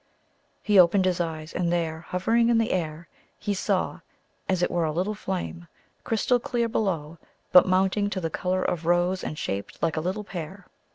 He opened his eyes, and there, hovering in the air, he saw as it were a little flame, crystal clear below, but mounting to the colour of rose, and shaped like a little pear.